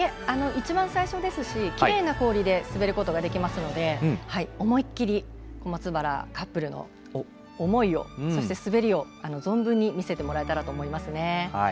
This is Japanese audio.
一番最初ですしきれいな氷で滑ることができますので思い切り小松原カップルの思いをそして、滑りを存分に見せてもらえたらと思いますね。